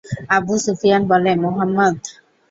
Abu Sufyan বলে– মুহাম্মাদ!